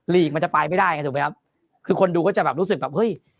ลีกมันจะไปไม่ได้ไงถูกไหมครับคือคนดูก็จะแบบรู้สึกแบบเฮ้ย